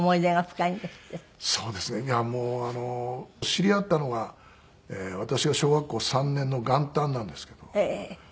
知り合ったのが私が小学校３年の元旦なんですけど。